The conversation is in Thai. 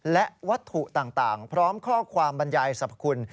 และวัตถุต่างพร้อมข้อความบรรยายสรรพคุณ